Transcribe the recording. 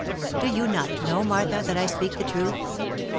Do you not know, Martha, that I speak the truth